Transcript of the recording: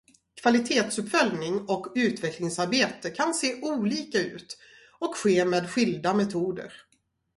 Kvalitetsuppföljning och utvecklingsarbete kan se olika ut och ske med skilda metoder.